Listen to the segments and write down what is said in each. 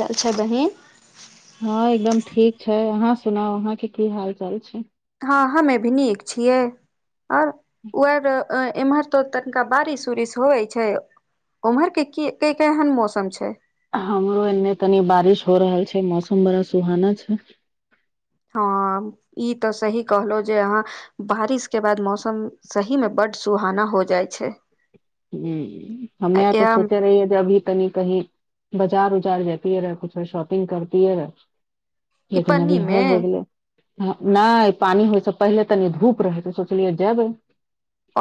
चल छै बहीन हँ एकदम ठीक छै अहाँ सुनाउ अहाँके की हाल चाल छै। हँ हमे भी नीक छियै, आओर उ आ अ एमेर त तनिका बारिश उरिस होइ छै। ओम्हर के की क केहन मौसम छै। हमरो एने तनी बारिश हो रहल छै, मौसम बड़ा सुहाना छै। हँ ई तऽ सही कहलहुँ जे अहाँ बारिश के बाद मौसम सही मे बड्ड सुहाना हो जाइ छै, ह हमे तो सोचे ई रहि है जे अभी कनि कही बजार उजार जातीियऐ रऽ कुछ शॉपिंग करतीियऐै रऽ लेकिन अभी पन्नी होय मे हो गेलै नहि पानि होइसँ पहिले तनी धूप रहै सोचलियै जेबै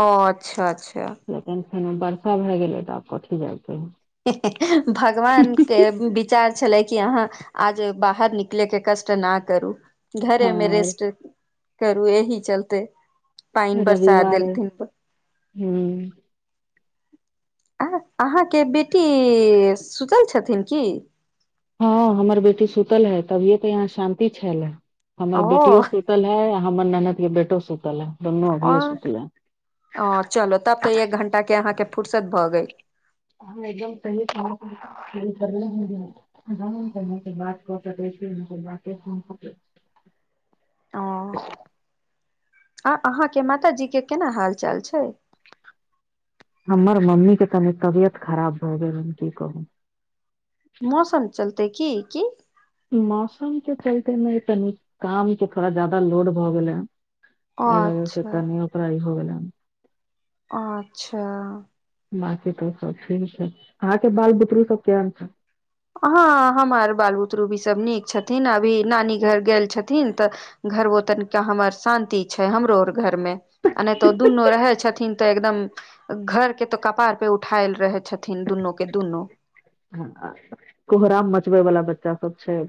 ओ अच्छा अच्छा टेंशन मे वरषा भए गेलै तऽ आब कठी जाइ च भगवान के बी विचार छलै कि अहाँ आज बाहर निकलेके कष्ट न करू घरे मे रेस्ट हँ करू एहिह चलते। पानि बरसा रविवार देलथिन हूं आ अहाँके बेटी सुतल छथिन की हँ हमर बेटी सुतल हैत तभिये त यहाँ शांति छैल हे हमर ओ बेटियो सुतल है आ हमर ननद के बेटो सुतल है दुनू अभिये ओर सुतले है ओर चलो तब तऽ एक घंटा के अहाँके फर्सत भऽ गेल [unintelligible] ज ने त बात कर [inaudible] ओ आ अहाँके माताजी के केना हाल चाल छै हमर मम्मी के तनि तबियत खराब भऽ गेल हन की कहू मौसम चलतै की की मौसम के चलते नय तनी काम के थोड़ा जादा लोड भऽ गेलै हन अय वजह से अच्छा तनी ओकरा इ हो गेलनि अच्छा बाकी तो सब ठीक है अहा के बाल बुतरु सब केहन छै ह हमर बाल बुतरू भी सभ नीक छथिन अभी नानी घर गेल छथिन तऽ घरबो तनिका हमर शान्ति छै हमरो घरमे आ नहि तऽ दुनू रहै छथिन तऽ एकदम घर के तो कपार पे उठायल रहे छथिन दुनू के दुनू कोहराम मचबै वाला बच्चा सब छै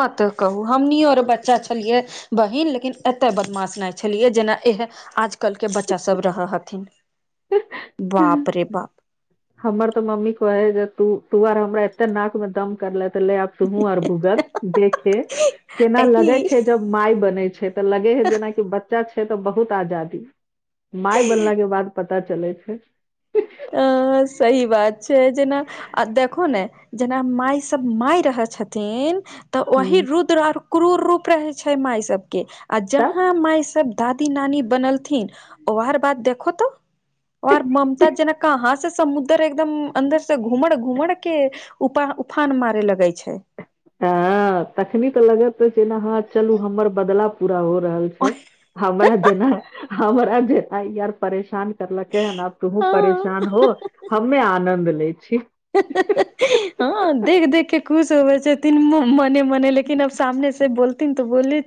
मत कहू हमनियो ओर बच्चा छलियै बहिन लेकिन एतय बदमाश नहि छलियै जेना इह आज कल के बच्चा सभ रहऽ हथिन बाप रे बाप हमर तऽ मम्मी कहे जे तू तू आर हमरा एते नाक मे दम करले त ले आब तुहू आर भूगत देखे केना एहि लगै छै जब माय बनेै छै तऽ लगे है जेनाकी बच्चा छै तऽ बहुत आजादी माय बनला के बाद पता चलै छै अ सही बात छै जेना आ देखो ने जेना माय सब माय रहै छथिन तऽ ओही हूँ रुद्र आओर क्रूर रूप रहै छै माय सबके आ तब जहाँ माय सब घात दी नानी बनलथिन व हर बात देखो तो ओ आर ममता जेना यहां से समुद्र एकदम अंन्दर से घूमड़ घूमड़ के उप उफान मारे लगै छै हँ तखनी तऽ लगत चेना हँ चलू हमर बदलाब पूरा हो रहल छै हमरा जेना हमरा जेना इ आर परेशान करलकै हन आब तुहू परेशान हो हमे आनद लै छी ह [unintelligible] हँ देख देख के खुश होबे छथिन मो मने मने लेकिन अब सामने से बोलथिन तऽ बोले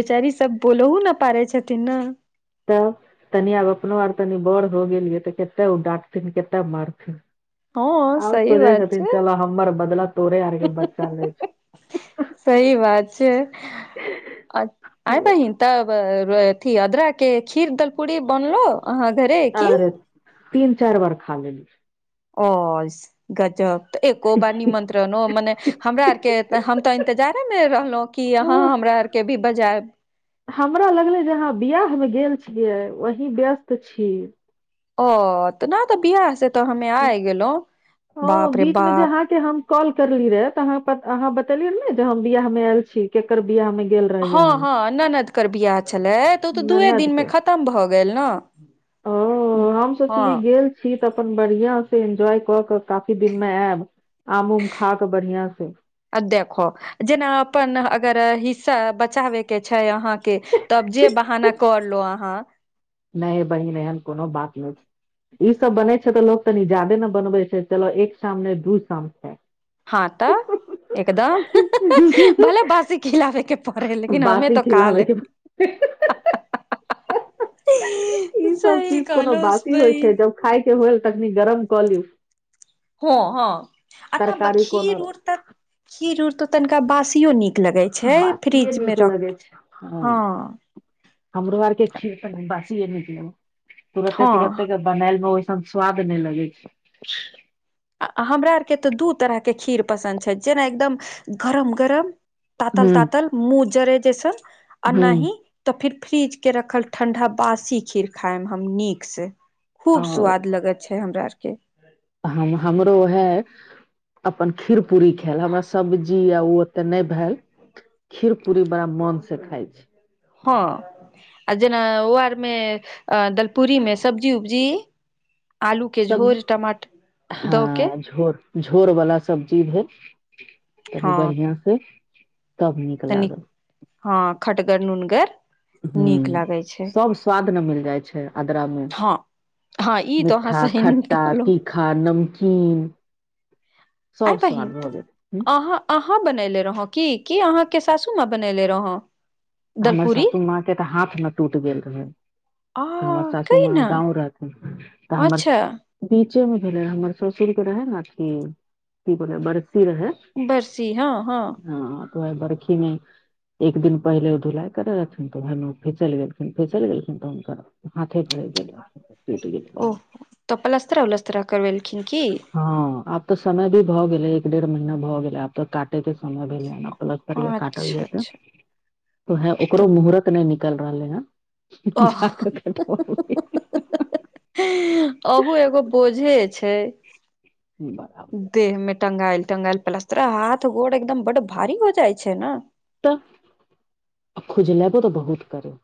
बेचारी सब बोलहु न पारे छथिन न तऽ तनि आब अपनो आर तनि बड़ भऽ गेलियै तऽ केते ओ डाँटथिन केते मारथिन हँ आब सही सोचै बात छथिन छै चलऽ हमर बदल तोरे आरके बच्चा लै छै सही बात छै आय छै बहीन तब अथी अदर के खीर दलपूरी बनलो अहाँ घरे की अर तीन चार बार खा लेलीयै ओस गजब एको बार निमंत्रणो मने हमरा आर के हम तऽ इन्तजारे मे रहलौं कि अहाँ लेली हमरा आर के भी बजायब हमरा लगलय जे अहाँ बियाह मे गेल छियै वही व्यस्त छी ओ तऽ न तऽ बिआह से तऽ हमे आय गेलौ बाप रे बाप के हम कॉल करली रे त अहाँ अहाँ बतेलियै ने जे हम बियाह मे आयल छी केकर बियाह मे गेल रही हँ अहाँ हँ ननदकर बियाह छलै तऽ ओ तऽ दूए ननद दिनमे के खतम भऽ गेल न ओ हम सोचली गेल छी तऽ अपन बढ़िआं से एन्जॉय कऽ कऽ अपन काफी दिन मे अएब आम उम खा कऽ बढ़ियां से आ देखो जेना अपन अगर हिस्सा बचाबै के छै अहाँके तब जे बहाना क लू अहाँ नै हे बहिन एहन कोनो बात नै छै ई सब बनेै छैय तऽ लोग तनि जादे ने बनबै छैय चलऽ एक शाम ने दू शाम स हँ तऽ एकदम [unintelligible] भले बासी खिलाबै के प पकड़य है लेकिन हमे बासी तऽ खिलाबै काले के है [unintelligible] ई [unintelligible] सब सही चीज कोनो कहलौस बासी होइ बहिन छै जब खाय के होय तखनी गरम कऽ ली हँ हँ अपना ब तरकारी खीर कोनो उर त खीर ऊर त तनिका बासियो नीक लगय बासिये नीक लगै छैय हँ हमरो आर के खीर त बासिये नीक लगय तुरते हँ तुरते बनायल मे ओइसन स्वाद नै लगै छैय आ हमरा आरके तऽ दू तरह के खीर पसन्द छैय जेना एकदम गरम गरम तातल हूँ तातल मुँह जरै जैसन आ हूँ नही तऽ फिर फ्रिज के रखल ठण्डा बासी खीर खाइमे हम नीक सँ खूब औ स्वाद लगय छैय हमरा आर के हम हमरो है अपन खीर पूरी खेलो बस सब्जी आ उ त नय भेल खीर पूरी बड़ा मोन से खाथि हँऽ आ जेना उ आरमे दलपूरी मे सब्जी उब्जी आलू के सब्जी झोर टमाटर दऽ के हँ झोर झोर बला सब्जी भेल तनी हँ बढ़िआं से तब नीक तनी लागल हँ खटगर नुनगर नीक हुँ लागै छै सब स्वाद ने मिल जाय छैय अद्रा मे हँ हँ ई तऽ अहाँ मीठा सही नीक खट्टा कहलौं तीखा नमकीन आय सब स्वाद बहिनत भऽ गेल अहाँ अहाँ बनेले रहौ की की अहाँके सासू माँ बनेले रहौ हमर सासू माँ के तऽ हाथ मे टूटि गेल रहै आ हमर सासू माँ कहिना गाँव रहथिन तऽ हमर अच्छा बीचे मे भेले हमर ससुर के रहय ने अथी इ बेरा बरसी रहय बर्सी हँ हँ वैह बर्खी मे एक दिन पहिले धुलाई करे रहथिन त वैहे मे उ फिसैल गेलखिन फिसैल गेलखिन तऽ हुनकर हाथे झरइक गेलै टुटि गेल ओह टाँग। तऽ पलस्तर उलस्तर और करबेलखिन की हँ आब तऽ समय भी भऽ गेलै एक डेढ़ महीना भऽ गेलै आब तऽ काट कते समय भेलै हँ पलस्तर य काटल अच्छा जेतै अच्छा उहे तऽ ओकरो मुहूरत नय निकल रहलै हें [unintelligible] अहऽ हँ-हँ-हँ हँ-हँ-ह अहु एगो बोझे छैय बड़ा बोझ। देह मे टंगायल टंगायल पलस्तर हाथ गोर एकदम बड्ड भारी हो जाय छैय न तऽ अ खुजलेबो तऽ बहुत करे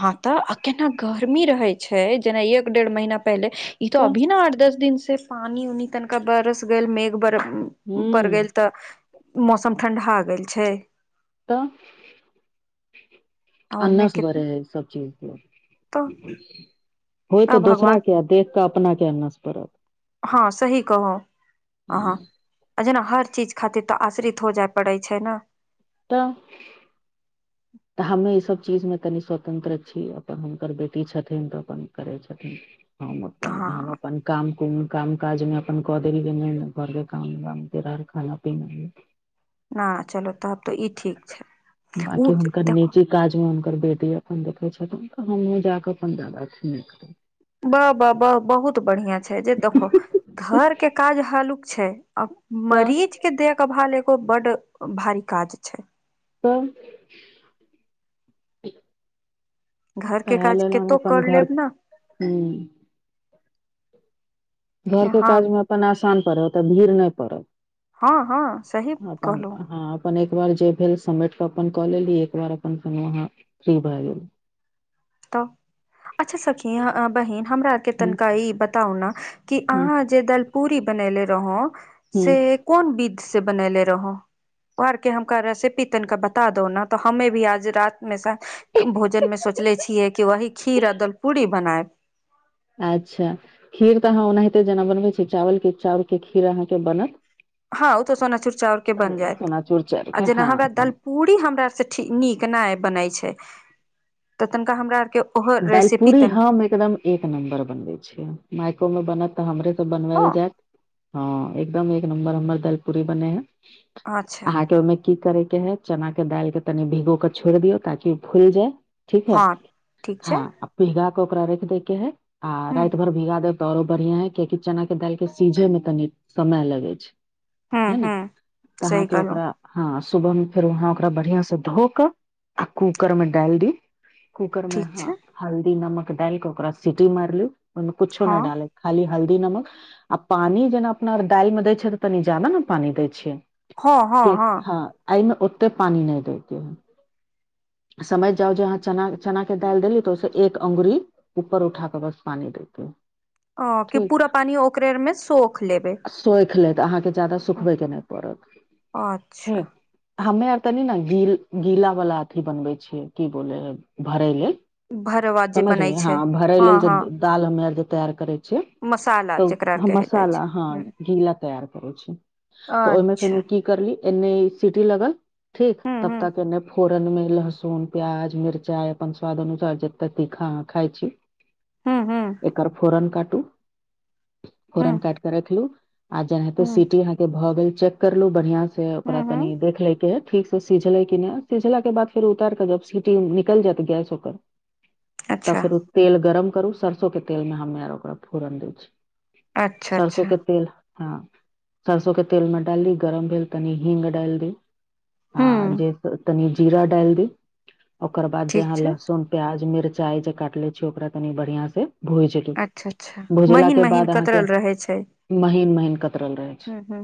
हँ तऽ आ केना गर्मी रहै छैय जेना एक डेढ़ महीना पहिले ई तो तऽ अभी ने आठ दस दिन से पानी उनी तनिका बरस गेल मेघ बर हूँ पर गेल तऽ मौसम ठंढ़ा गेल छैय तऽ आ ओन्ने अन्नस के बरे हैय सब चीज तऽ के [inaudible] होय आ तऽ दोसरा भगवान क देख कऽ अपना क नस पड़ब हँ सही कहलो अहाँ आ जेना हर चीज खातिर तऽ आश्रित हो जाय पड़े छै न तऽ तऽ हममे ईसभ चीजमे कनि स्वतन्त्र छी अपन हुनकर बेटी छथिन तऽ अपन करै छथिन हँ [inaudible] हम अपन काम कुनो काम काज मे अपन कऽ देलियै घर के काम वाम तेरा खाना पीना हँ चलो तब तऽ ई ठीक छै उ बाकी हुनकर देखो निजी काज मे हुनकर बेटी अपन देखै छथिन तऽ हमहुँ जाके अपन दादा वाह बाह बाह बहुत बढ़िया छै जे देखो घर के काज हल्लुक छै तऽ मरीज के देखभाल एगो बड भारी काज छय तऽ घर के ओहै काज लेल हम कतो अपन कर लेब घर ने हुँ घरके हँ काजमे अपन आसान पड़ै ओतऽ भीड़ नहि पड़त हँ हँ सही अपन कहलहु हँ अपन एक बार जे भेल समैट कऽ अपन कऽ लेली एक बार अपन फेन अहाँ फ्री भए गेल अच्छा सखी बहिन हमरा के हूँ तनिकााही बताउ ने कि हूँ अहाँ जे दलपूरी बनेले रहौ से हूँ कोन विध से बनेले रहौ ओ अर केँ हमक रेसिपी तनिका बता दो ने त हमे भी आज रात मे भोजन मे सोचले छियै कि वही खीर आ दल पूड़ी बनाएब अच्छा खीर तऽ अहाँ ओनाहिते जेना बनबैत छिये चावल केँ चाउर केँ खीर अहाँकेँ बनत हँ ओ तऽ सोना चूर चाउर केँ बन जैत चूर चाउर आ के जेना हमरा हँ दल पूरी हमरा आर से ठ नीक नय बनै छै, तऽ तनिका हमरा आरके ओहो रेसिपी दालिपूरी तनि हम एकदम एक नम्बर बनबे छिय माइको मे बनत तऽ हमरे सँ हँ बनवैल जैत हँ एकदम एक नम्बर हमर दाइल पूरी बने है अच्छा अहाँकेँ ओहिमे की करे के हय चना केँ दाइल कऽ केँ तनि भीगो केँ छोइर दियऔ ताकि उ फुइल जाय ठीक है, हँ ठीक छै हँ भीघा को ओकरा रेख दे के है आ हूँ राइत भर भीगा दे त आऔरो बढ़िया है कियाकि चना केँ दालि केँ सीझे मे तनी समय लगे छै, हूँ है ने हूँ तऽ सही अहाँकेँ कहलौं ओकरा हँ सुबह मे फेर अहाँ ओकरा बढ़िया सँ धो कऽ आ कूकर मे डाइल दी कुकर मे ठीक छै हँ हल्दी नमक डाइल केँ ओकरा सीटी माइर लु ओहि मे कुछो हँ न डालै खाली हल्दी नमक आ पानि जेना अपना दाइलमे दै छै तऽ तनी जादा नऽ पानी दै छियै, हँ हँ कियाक हँ। एहिमे ओते पानी नय देै यऽ ह समझ जाउ जे अहाँ चना चना केँ दालि देली तऽ ओसे एक अंगुरी ऊपर उठााक बस पानी दैय केँ हइ ओ कि पूरा पानि ओकरे मे सौख लेबै। सोइख लेत अहाँकेँ जादा सुखबै केँ नय पड़त अच्छा ठिक हमे आर तनी ने गी गीला बाला अथी बनबै छियै की बोले हइ भरै लेल भरवा जे बनै समझलि हँ छै भरैय हँ लेल जे हँ दाल हमे आर जे तैयार करै छियै मसाला जेकरा आर तऽ कहै जाइ मसाला छै हँ हूँ गीला तैयार करै छी तऽ ओहिमे सँ अच्छा नु की इफेरन की करली एने सिटी लगल ठीक हूँ तब हूँ तक एन्ने फोरन मे लहसुन प्याज मिरचा अपन स्वाद अनुसार जेत ए तीखा खााय छी हूँ हूँ एकर फोरन काटू हूँ फोरन काट रखलु आ जेनाहिते हूँ सिटी अहाँ के भ गेल चेक करलु बढ़ियां से से आका हूँ कनी हूँ देख ले बैम सझले सझला के बाद फेर उतार निकल जात स ओकर त अच्छा फेर तेल गरम करू सरसो केँ तेल मे हमे आर ओकरा फोरन दै छी अच्छा सरसो अच्छा के तेल हँ सरसो के तेल मे डादी गरम भेल तनी हींग डाइल दियो हँ हूँ जे तनी जीरा डाइल दी ओयके बाद ठीक जेहा छै लहसुन प्याज मिरचाई जे काटले छी ओकरा तनी बढ़िया से भुइज लू अच्छा अच्छा भुजला महीन केँ महीन बाद अहाँकेँ कतरल रहै छै महीन - महीन कतरल रहै छै हूँ हूँ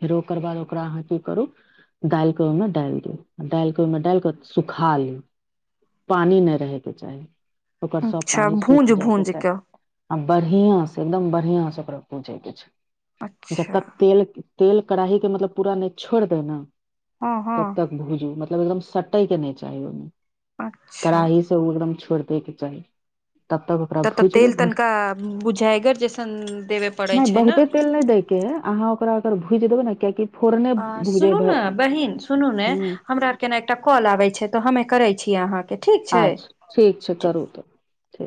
फेर ओकर बाद ओकरा अहाँ की करू दालि कऽ ओहिमे डालि दियऔ दालि कऽ ओहिमे डालिक कऽ सुखा ली पानि नय रहै केँ चाही ओकर सब अच्छा पानी भूज सुखि जायके भूज चाही कऽ आ बढ़ियां से एकदम बढ़िआं से ओकरा पूजै के छै जब अच्छा तक तेल तेल कड़ईी के मतलब पूरा नय छोड़ दे ने हँ हँ तब तक भूजू मतलब एकदम कटे के नय चाही ओहिमे अच्छा कड़ाही से ओ एकदम छोड़ देे के चाही तब तक ओकरा तब तऽ भुजलु तेल भुज तनिका बुझागर जैसन देबे पड़ैत नहि छै ने बहुते तेल नहि दै के अहाँ ओकरा अगर भुइज देबै ने कियकि अ सुनू ने बहिन सुनु ने हुं हमरा केना एकटा कॉल आबे छै तो हमे करै छीयै अहाँके ठीक छै अच्छा ठीक छै करू तऽ ठीक